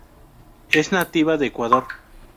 Es nativa de Ecuador.